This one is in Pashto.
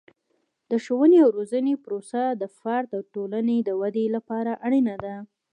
د ښوونې او روزنې پروسه د فرد او ټولنې د ودې لپاره اړینه ده.